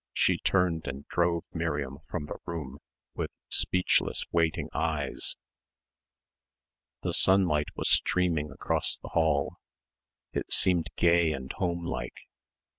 She turned and drove Miriam from the room with speechless waiting eyes. The sunlight was streaming across the hall. It seemed gay and home like.